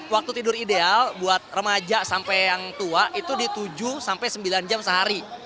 waktu tidur ideal buat remaja sampai yang tua itu di tujuh sampai sembilan jam sehari